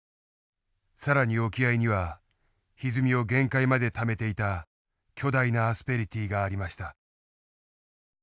更に沖合にはひずみを限界までためていた巨大なアスペリティーがありました。